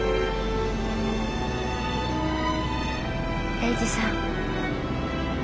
英治さん。